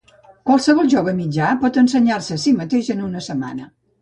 Qualsevol jove mitjà pot ensenyar-se a si mateix en una setmana.